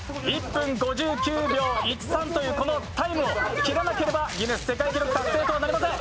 １分５９秒１３というタイムを切らなければギネス世界記録達成となりません。